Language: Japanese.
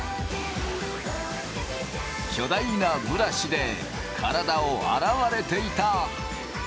巨大なブラシで体を洗われていた。